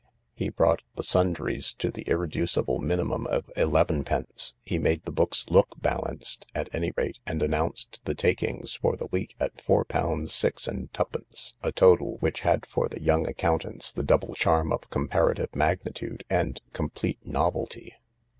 He brought the sundries to the irreducible minimum of elevenpence. He made the books look balanced, at any rate, and announced the takings for the week at four pounds, six and twopence, a total which had for the young accountants the double charm of comparative magnitude and complete novelty.